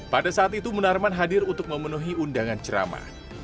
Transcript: pada saat itu munarman hadir untuk memenuhi undangan ceramah